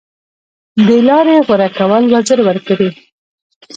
دې لارې غوره کول وزر ورکړي